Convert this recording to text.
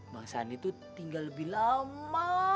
bang sani tuh tinggal lebih lama